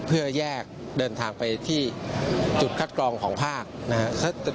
เพื่อแยกเดินทางไปที่จุดคัดกรองของภาคนะครับ